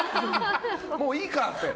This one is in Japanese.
もういいかって。